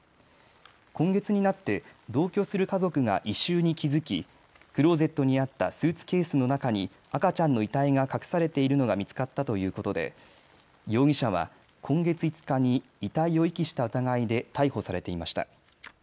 今月になって同居する家族が異臭に気付きクローゼットにあったスーツケースの中に赤ちゃんの遺体が隠されているのが見つかったということで容疑者は今月５日に遺体を遺棄した疑いで逮捕されていました。